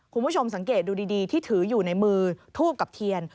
คุณผู้ชมสังเกตดูดีที่ถืออยู่ในมือทูบกับเทียน